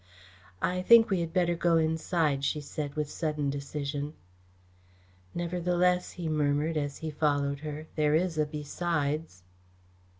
"I think we had better go inside," she said, with sudden decision. "Nevertheless," he murmured, as he followed her, "there is a 'besides'."